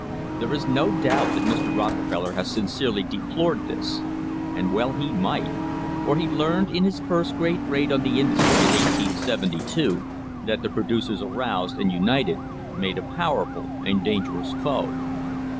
There is no doubt that Mr. Rockefeller has sincerely deplored this. And well he might, for he learned in his first great raid on the industry in 1872 that the producers aroused and united made a powerful and dangerous foe.